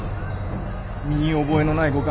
身に覚えのないご勘気